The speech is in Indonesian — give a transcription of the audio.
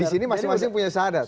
di sini masing masing punya sadar